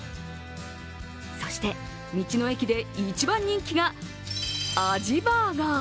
そして道の駅で一番人気がアジバーガー。